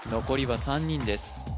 残りは３人です